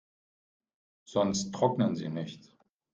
Sonst trocknen sie nicht.